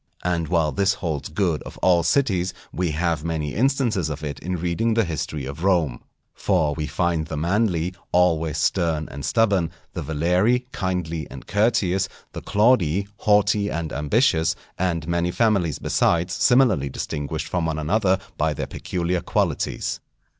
And while this holds good of all cities, we have many instances of it in reading the history of Rome. For we find the Manlii always stern and stubborn; the Valerii kindly and courteous; the Claudii haughty and ambitious; and many families besides similarly distinguished from one another by their peculiar qualities.